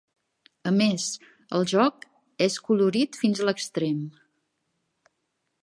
A més, el joc és colorit fins a l'extrem".